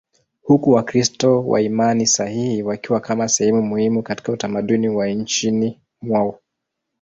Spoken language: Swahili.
huku Wakristo wa imani sahihi wakiwa kama sehemu muhimu katika utamaduni wa nchini mwao.